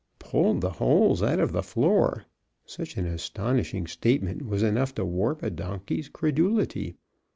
Pulled the holes out of the floor! Such an astonishing statement was enough to warp a donkey's credulity.